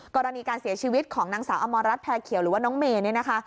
กรณีการเสียชีวิตของนางสาวอมรรดิแพร่เขียวหรือว่าน้องเมน